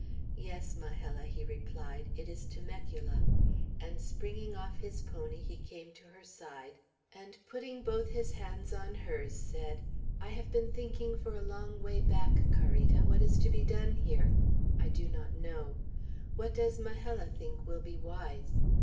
"Yes, Majella," he replied, "it is Temecula," and springing off his pony he came to her side, and putting both his hands on hers, said: "I have been thinking, for a long way back, Carita, what is to be done here. I do not know. What does Majella think will be wise?